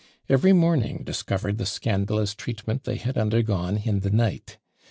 Every morning discovered the scandalous treatment they had undergone in the night.